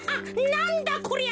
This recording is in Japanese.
なんだこりゃ。